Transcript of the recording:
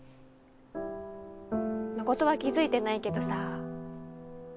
誠は気付いてないけどさぁ。